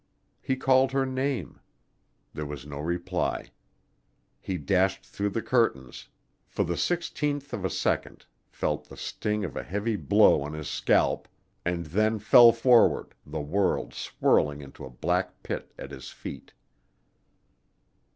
He called her name. There was no reply. He dashed through the curtains for the sixteenth of a second felt the sting of a heavy blow on his scalp, and then fell forward, the world swirling into a black pit at his feet.